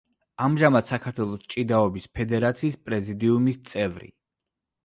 ამჟამად საქართველოს ჭიდაობის ფედერაციის პრეზიდიუმის წევრი.